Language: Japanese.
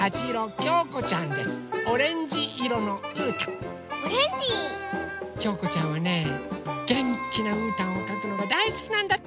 きょうこちゃんはねげんきなうーたんをかくのがだいすきなんだって！